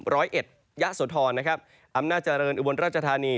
ร้อยเอ็ดยะสวทรอำนาจริงอุบวรรชธานี